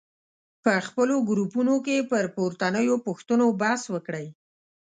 په خپلو ګروپونو کې پر پورتنیو پوښتنو بحث وکړئ.